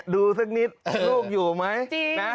สักนิดลูกอยู่ไหม